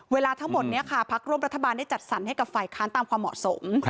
เวลาทั้งหมดนี้ค่ะพักร่วมรัฐบาลได้จัดสรรให้กับฝ่ายค้านตามความเหมาะสม